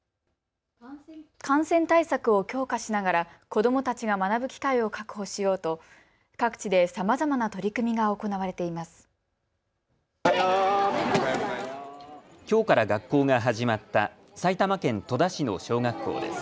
感染対策を強化しながら子どもたちが学ぶ機会を確保しようと各地でさまざまな取り組みが行われています。